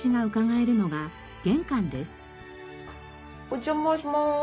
お邪魔します。